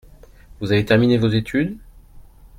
Vous avez terminé vos études ?